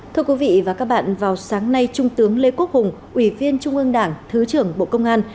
thưa quý vị và các bạn vào sáng nay trung tướng lê quốc hùng ủy viên trung ương đảng thứ trưởng bộ công an